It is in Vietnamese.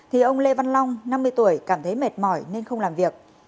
thì ông lê văn long năm mươi tuổi cảm thấy mệt mỏi nên không làm việc